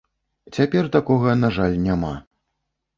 Цяпер такога, на жаль, няма.